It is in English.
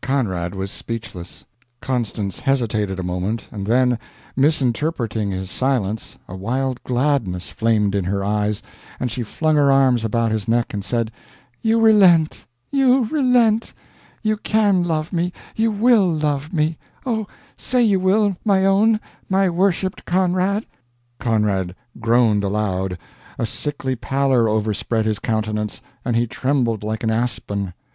Conrad was speechless. Constance hesitated a moment, and then, misinterpreting his silence, a wild gladness flamed in her eyes, and she flung her arms about his neck and said: "You relent! you relent! You can love me you will love me! Oh, say you will, my own, my worshipped Conrad!'" Conrad groaned aloud. A sickly pallor overspread his countenance, and he trembled like an aspen.